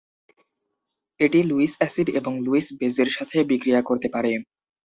এটি Lewis acid এবং Lewis বেসের সাথে বিক্রিয়া করতে পারে।